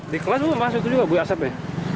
di kelas masuk juga buah asap ya